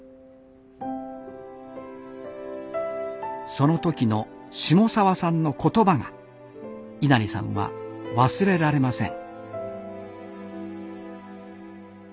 その時の下澤さんの言葉が稲荷さんは忘れられません。